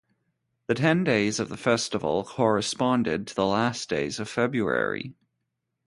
The ten days of the festival corresponded to the last days of February.